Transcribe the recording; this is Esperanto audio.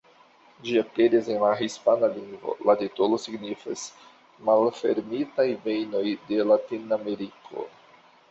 Ĝi aperis en la hispana lingvo, la titolo signifas: "Malfermitaj vejnoj de Latin-Ameriko".